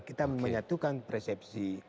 kita menyatukan persepsi